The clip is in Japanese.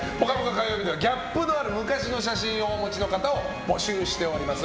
火曜日はギャップのある昔の写真をお持ちの方を募集しております。